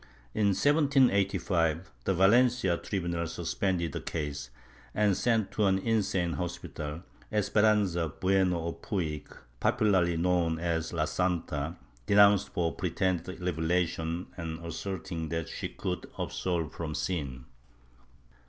In 1785, the Valen cia tribunal suspended the case, and sent to an insane hospital, Esperanza Bueno of Puig, popularly known as la Santa, denounced for pretended revelations and asserting that she could absolve from sin.